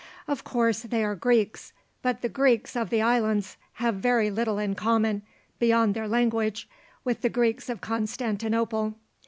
Of course they are Greeks, but the Greeks of the islands have very little in common, beyond their language, with the Greeks of Constantinople.